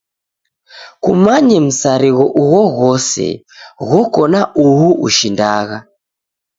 Kumanye msarigho ughjoghose ghoko na uhu ushindagha.